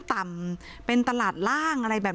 ไม่อยากให้มองแบบนั้นจบดราม่าสักทีได้ไหม